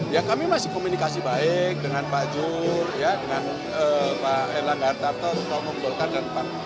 ya kami masih komunikasi baik dengan pak jur ya dengan pak erlang gartarto pak omong dolkan dan pak